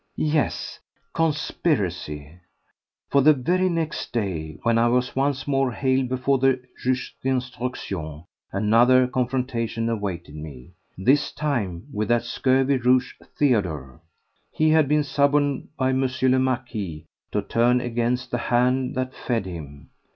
Yes, conspiracy! for the very next day, when I was once more hailed before the juge d'instruction, another confrontation awaited me: this time with that scurvy rogue Theodore. He had been suborned by M. le Marquis to turn against the hand that fed him.